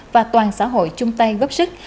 và toàn xã hội chung tay góp sức